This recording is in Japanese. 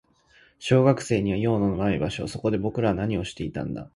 小学生には用のない場所。そこで僕らは何をしていたんだ。